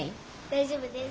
大丈夫です。